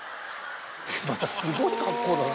またすごい格好だな。